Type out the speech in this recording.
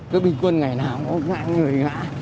cứ bình quân ngày nào cũng ngại người ngã